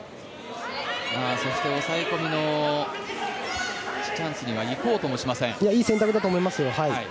そして抑え込みのチャンスにはいい選択だと思います。